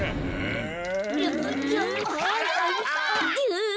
うん。